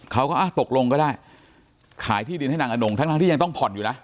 เขาก็ตกลงก็ได้ขายที่ดินให้นางอนงทั้งที่ยังต้องผ่อนอยู่นะ